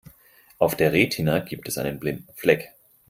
Auf der Retina gibt es einen blinden Fleck.